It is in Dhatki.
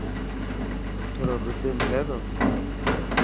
اٺ رو ڏوڌ ملي تو؟